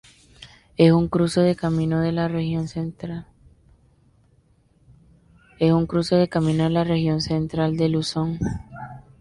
Es un cruce de camino de la región central de Luzón.